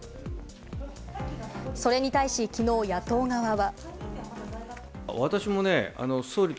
それに対し、きのう野党側は。